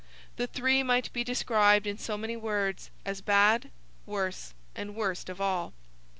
The three might be described, in so many words, as bad, worse, and worst of all.